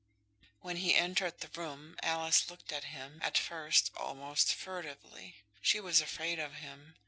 When he entered the room, Alice looked at him, at first, almost furtively. She was afraid of him.